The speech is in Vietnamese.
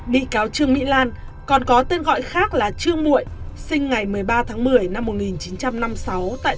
bị cáo trương mỹ lan còn có tên gọi khác là trương mụi sinh ngày một mươi ba tháng một mươi năm một nghìn chín trăm năm mươi sáu tại